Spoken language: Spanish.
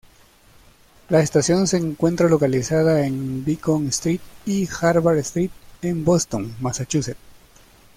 La estación se encuentra localizada en Beacon Street y Harvard Street en Boston, Massachusetts.